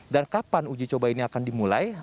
kapan uji coba ini akan dimulai